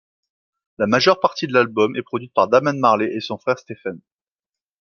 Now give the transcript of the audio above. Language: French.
La majeure partie de l'album est produite par Damian Marley et son frère, Stephen.